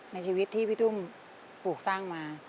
ในชีวิตที่พี่ตุ้มปลูกสร้างมา